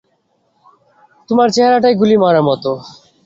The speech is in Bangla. তোমার চেহারাটাই গুলি মারার মতো।